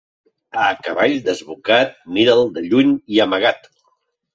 A cavall desbocat, mira'l de lluny i amagat.